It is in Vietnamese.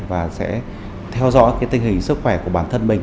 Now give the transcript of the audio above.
và sẽ theo dõi tình hình sức khỏe của bản thân mình